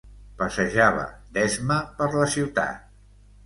Passejava d'esma per la ciutat.